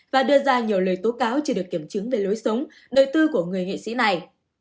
và đưa ra nhiều lời tố cáo chưa được kiểm chứng về lối sống đời tư của người nghệ sĩ này